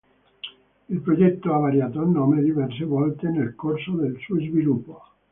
Il progetto ha variato nome diverse volte nel corso del suo sviluppo.